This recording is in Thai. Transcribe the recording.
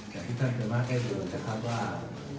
แต่ที่ท่านเกิดมาใกล้เดือนนะครับว่า